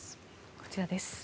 こちらです。